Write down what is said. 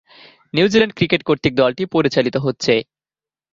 New Zealand cricket কর্তৃক দলটি পরিচালিত হচ্ছে।